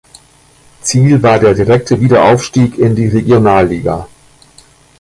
Ziel war der direkte Wiederaufstieg in die Regionalliga.